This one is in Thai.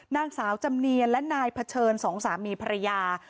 นางสาวจำเนียนและนายเผชิญสองสามีภรรยา